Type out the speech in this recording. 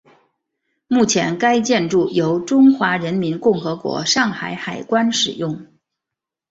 目前该建筑由中华人民共和国上海海关使用。